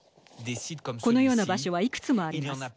このような場所はいくつもあります。